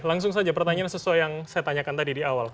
langsung saja pertanyaan sesuai yang saya tanyakan tadi di awal